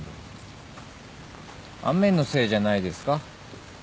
雨のせいじゃないですか？